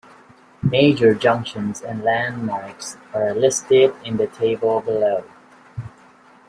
Major junctions and lankmarks are listed in the table below.